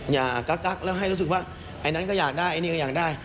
อยากกักแล้วให้รู้สึกว่าไอ้นั้นก็อยากได้ไอ้นี่ก็อยากได้